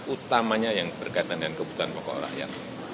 utamanya yang berkaitan dengan kebutuhan pokok rakyat